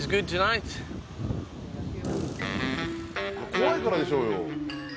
怖いからでしょうよ。